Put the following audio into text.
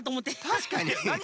たしかに。